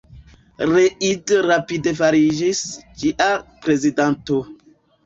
Reid rapide fariĝis ĝia prezidanto.